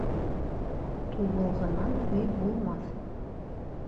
Тубылғынан өй булмаҫ